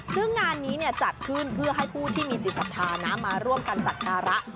ซึ่งงานนี้จัดขึ้นเพื่อให้ผู้ที่มีจิตศรัทธานะมาร่วมกันสักการะ